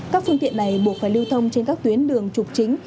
các phương tiện này buộc phải lưu thông trên các tuyến đường trục chính